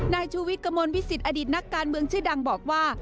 นายชูวิทย์กระมวลวิสิตอดีตนักการเมืองชื่อดังบอกว่า